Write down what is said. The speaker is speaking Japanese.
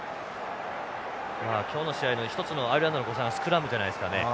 まあ今日の試合の一つのアイルランドの誤算はスクラムじゃないですかね。